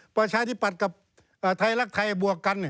ประชาธิปัตย์กับไทยรักไทยบวกกัน